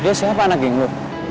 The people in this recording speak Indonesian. dia siapa anak yang lu